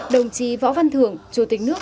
đồng chí võ văn thượng chủ tịch nước